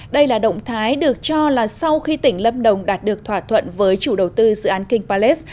đây là động thái được cho là sau khi tỉnh lâm đồng đạt được thỏa thuận với chủ đầu tư dự án king palace